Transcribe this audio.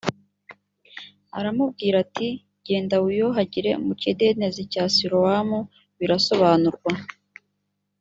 aramubwira ati genda wiyuhagire f mu kidendezi cya silowamubisobanurwa